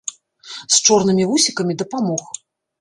З чорнымі вусікамі дапамог.